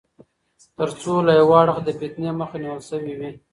تر څو له يوه اړخه د فتنې مخه نيول سوې وي